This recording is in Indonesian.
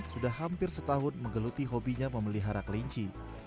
sudah hampir setahun menggeluti hobinya memelihara kelinci